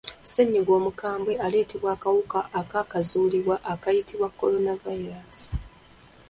Ssennyiga omukambwe aleetebwa akawuka akaakazuulibwa akayitibwa kolona virus.